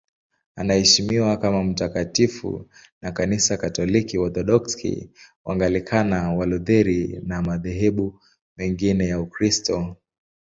Anaheshimiwa kama mtakatifu na Kanisa Katoliki, Waorthodoksi, Waanglikana, Walutheri na madhehebu mengine ya Ukristo.